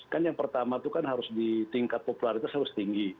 kan yang pertama itu kan harus di tingkat popularitas harus tinggi